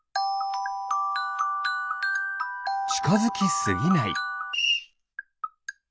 ちかづきすぎない。